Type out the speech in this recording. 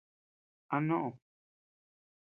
¿ A nood?